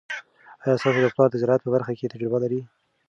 آیا ستا پلار د زراعت په برخه کې تجربه لري؟